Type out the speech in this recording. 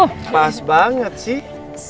aduh pas banget sih